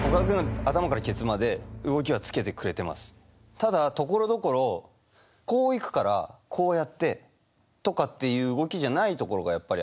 ただところどころこう行くからこうやってとかっていう動きじゃないところがやっぱりあって。